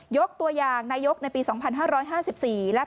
ยกตัวอย่างนายกในปี๒๕๕๔และ